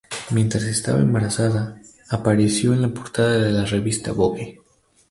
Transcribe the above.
Mientras estaba embarazada, apareció en la portada de la revista "Vogue".